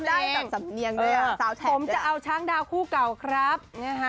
คุณได้แบบสำเนียงด้วยซาวแชกด้วยผมจะเอาช้างดาวคู่เก่าครับ